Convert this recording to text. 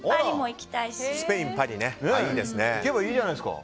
行けばいいじゃないですか。